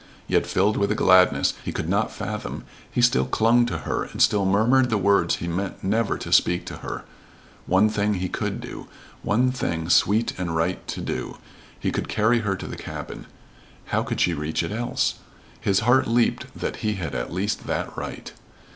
Yet filled with a gladness he could not fathom he still clung to her and still murmured the words he meant never to speak to her. One thing he could do. One thing sweet and right to do. He could carry her to the cabin. How could she reach it else? His heart leaped that he had at least that right.